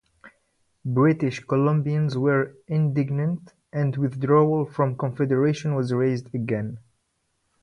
British Columbians were indignant and withdrawal from Confederation was raised again.